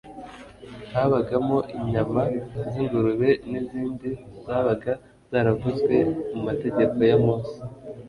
habagamo inyama z'ingurube n'izindi zabaga zaravuzwe mu mategeko ya mose